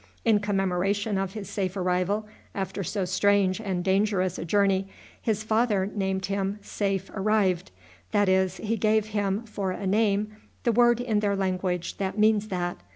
In commemoration of his safe arrival after so strange and dangerous a journey, his father named him Safe arrived; that is, he gave him for a name the word in their language that means that.